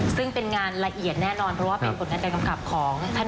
ซึ่งเป็นงานละเอียดแน่นอนเพราะว่าเป็นผลงานการกำกับของท่าน